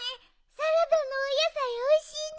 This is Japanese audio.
サラダのおやさいおいしいね！